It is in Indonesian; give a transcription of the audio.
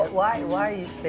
ada banyak orang yang mengatakan